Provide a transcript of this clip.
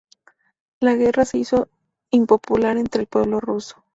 La guerra se hizo impopular entre el pueblo ruso.